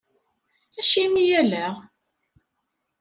Acimi ala?